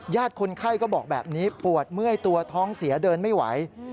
คนไข้ก็บอกแบบนี้ปวดเมื่อยตัวท้องเสียเดินไม่ไหว